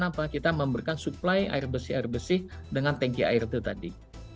kenapa kita memberikan suplai air bersih air bersih dengan tanki air itu tadi